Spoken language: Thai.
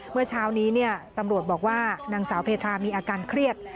เมื่อเช้านี้ตำรวจบอกว่านางสาวเพธามีอาการเครียด